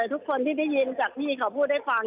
แต่ทุกคนที่ได้ยินจากพี่เขาพูดให้ฟัง